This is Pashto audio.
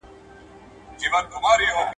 په دې بدلون کي ګڼ شمېر متحولین شتون لري.